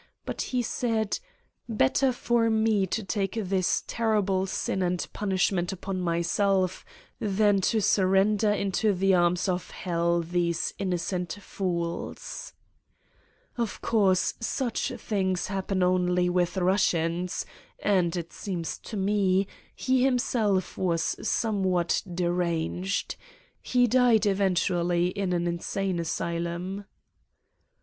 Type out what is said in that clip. But he said: l Better for me to take this terrible sin and punishment upon myself than to surrender into the arms of hell these innocent fools.' Of course, such things happen only with Eussians and, it seems to me, he himself was somewhat de ranged. He died eventually in an insane asy lum."